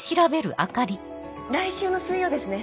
来週の水曜ですね？